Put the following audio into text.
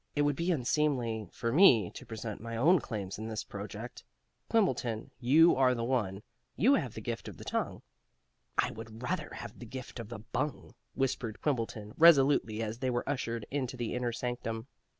"It would be unseemly for me to present my own claims in this project. Quimbleton, you are the one you have the gift of the tongue." "I would rather have the gift of the bung," whispered Quimbleton resolutely as they were ushered into the inner sanctum.